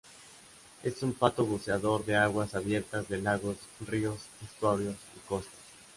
Es un pato buceador de aguas abiertas de lagos, ríos, estuarios y costas.